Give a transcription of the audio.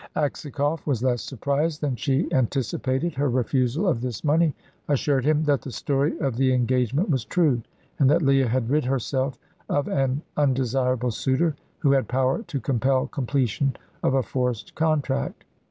Aksakoff was less surprised than she anticipated. Her refusal of this money assured him that the story of the engagement was true, and that Leah had rid herself of an undesirable suitor, who had power to compel completion of a forced contract.